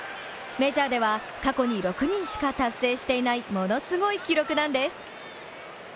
メジャーでは、過去に６人しか達成していないものすごい記録なんです。